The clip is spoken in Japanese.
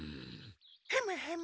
ヘムヘム。